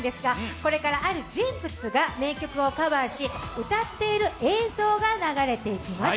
これからある人物が名曲をカバーし歌っている映像が流れてきます。